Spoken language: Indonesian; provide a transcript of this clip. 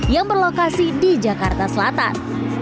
yang berlokasi di jakarta selatan